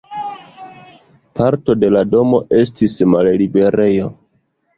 Parto de la domo estis malliberejo.